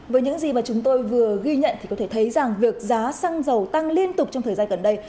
với những gì mà chúng tôi vừa ghi nhận thì có thể thấy rằng việc giá xăng dầu tăng liên tục trong thời gian gần đây